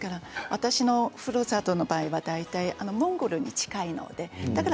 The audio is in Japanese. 私のふるさとの場合はモンゴルに近いので。